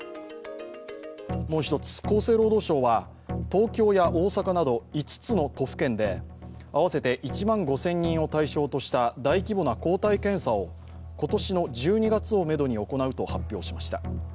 もう一つ、厚生労働省は東京や大阪など５つの都府県で合わせて１万５０００人を対象とした大規模な抗体検査を、今年の１２月をめどに行うと発表しました。